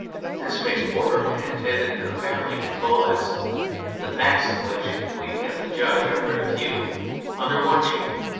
This mixed borderland tended apparently to coalesce (the facts of which we have to judge are very few) under one chief.